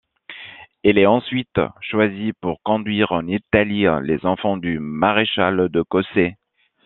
Il est ensuite choisi pour conduire en Italie les enfants du maréchal de Cossé.